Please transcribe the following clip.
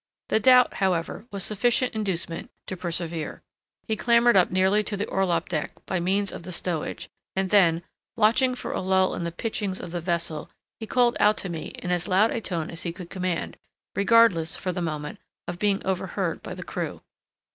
The doubt, however, was sufficient inducement to persevere. He clambered up nearly to the orlop deck by means of the stowage, and then, watching for a lull in the pitchings of the vessel, he called out to me in as loud a tone as he could command, regardless, for the moment, of being overheard by the crew.